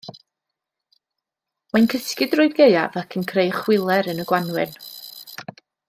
Mae'n cysgu drwy'r gaeaf ac yn creu chwiler yn y gwanwyn.